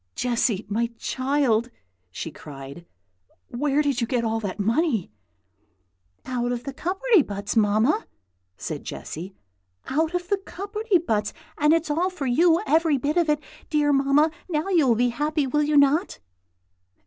"Jessy, my child!" she cried, "where did you get all that money?" "Out of the cupperty buts, Mamma!" said Jessy, "out of the cupperty buts! and it's all for you, every bit of it! Dear Mamma, now you will be happy, will you not?"